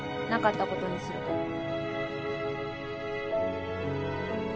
なかったことにするから。